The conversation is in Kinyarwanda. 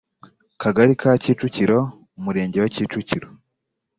Kagari ka Kicukiro Murenge wa Kicukiro